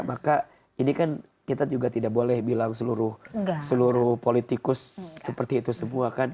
maka ini kan kita juga tidak boleh bilang seluruh politikus seperti itu semua kan